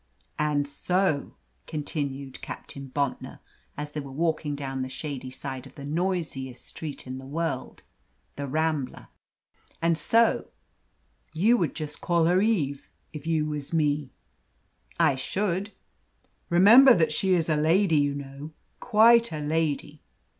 "And so," continued Captain Bontnor, as they were walking down the shady side of that noisiest street in the world, the Rambla, "and so you would just call her Eve, if you was me?" "I should." "Remember that she is a lady, you know. Quite a lady."